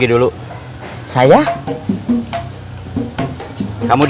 gimana ada siapa lagi